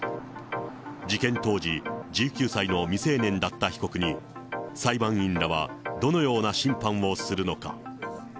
事件当時、１９歳の未成年だった被告に、裁判員らはどのような審判をするのか。